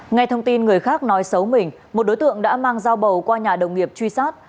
ngay thông tin người khác nói xấu mình một đối tượng đã mang dao bầu qua nhà đồng nghiệp truy sát